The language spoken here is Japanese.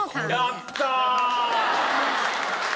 やったー！